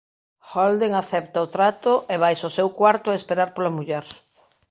Holden acepta o trato e vaise ao seu cuarto a esperar pola muller.